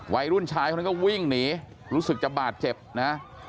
วัยรุ่นชายคนนั้นก็วิ่งหนีรู้สึกจะบาดเจ็บนะ